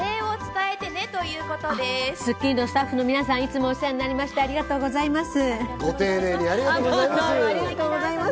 『スッキリ』のスタッフの皆さん、いつもお世話になりましてありがとうございます。